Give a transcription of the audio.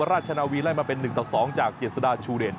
ราชนาวีไล่มาเป็น๑ต่อ๒จากเจษฎาชูเดช